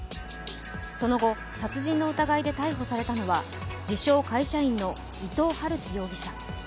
その後殺人の疑いで逮捕されたのは自称・会社員の伊藤龍稀容疑者。